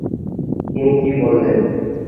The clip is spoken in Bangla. তিনি কী বললেন?